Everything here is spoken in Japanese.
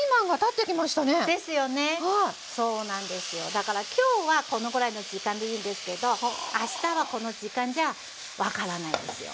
だから今日はこのぐらいの時間でいいんですけどあしたはこの時間じゃ分からないですよね。